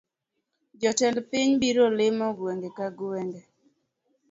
Jatend piny biro limo gweng’ ka gweng’